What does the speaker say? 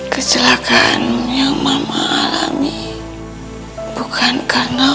gio sedang mengambil mikaheres